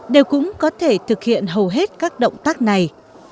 đều cũng có thể thực hiện hầu hết các động tác này